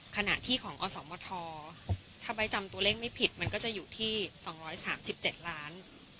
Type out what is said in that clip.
ขณะที่ของอสมทถ้าใบจำตัวเลขไม่ผิดมันก็จะอยู่ที่๒๓๗ล้าน